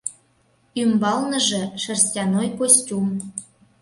Ӱмбалныже — шерстяной костюм.